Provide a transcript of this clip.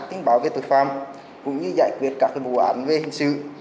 tiếng báo về tội phạm cũng như giải quyết các bộ án về hình sự